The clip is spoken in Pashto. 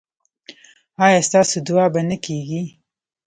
ایا ستاسو دعا به نه کیږي؟